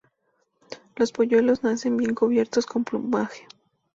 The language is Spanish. Los polluelos nacen bien cubiertos con plumaje.